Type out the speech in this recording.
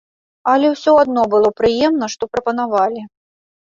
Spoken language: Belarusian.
Але ўсё адно было прыемна, што прапанавалі.